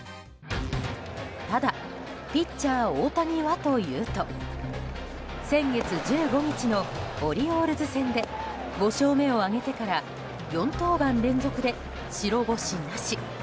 ただ、ピッチャー大谷はというと先月１５日のオリオールズ戦で５勝目を挙げてから４登板連続で白星なし。